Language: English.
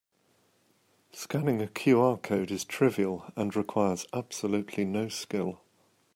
Scanning a QR code is trivial and requires absolutely no skill.